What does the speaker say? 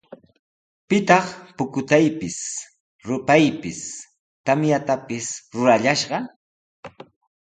¿Pitaq pukutaypis, rupaypis, tamyatapis rurallashqa?